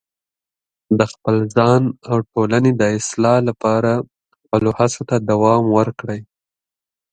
د خپل ځان او ټولنې د اصلاح لپاره خپلو هڅو ته دوام ورکړئ.